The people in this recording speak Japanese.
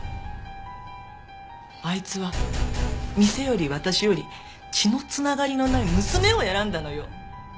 あいつは店より私より血の繋がりのない娘を選んだのよ。